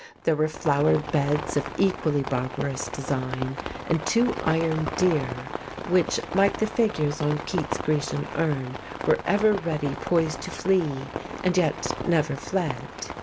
There were flower beds of equally barbarous design; and two iron deer, which, like the figures on Keats's Grecian urn, were ever ready poised to flee, and yet never fled.